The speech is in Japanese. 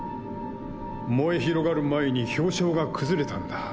燃え広がる前に氷床が崩れたんだ。